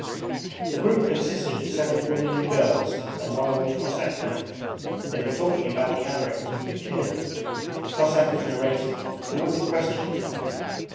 The group consisted of several women and girls and one old Cossack man. They were talking about the abrek who had been killed. The Cossack was narrating and the women questioning him.